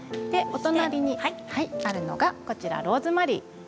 お隣にあるのがローズマリー。